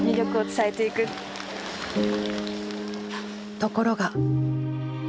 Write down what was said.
ところが。